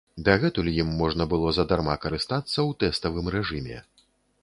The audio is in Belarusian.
Дагэтуль ім можна было задарма карыстацца ў тэставым рэжыме.